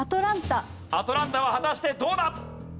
アトランタは果たしてどうだ？